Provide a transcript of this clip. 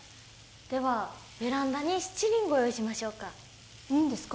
ではベランダに七輪ご用意しましょうかいいんですか？